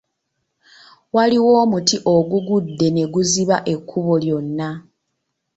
Waliwo omuti ogugudde ne guziba ekkubo lyonna.